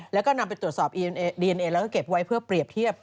แล้วก็นำไปตรวจสอบดีเอนเอแล้วก็เก็บไว้เพื่อเปรียบเทียบ